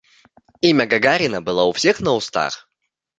Имя Гагарина было у всех на устах.